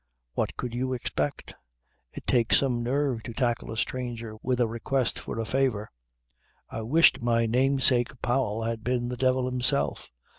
What could you expect? It takes some nerve to tackle a stranger with a request for a favour. I wished my namesake Powell had been the devil himself.